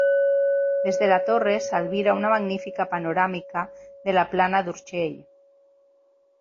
Des de la torre s'albira una magnífica panoràmica de la plana d'Urgell.